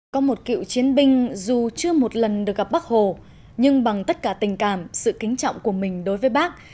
có một cựu chiến binh dù chưa một lần được gặp bác hồ nhưng bằng tất cả tình cảm sự kính trọng của mình đối với bác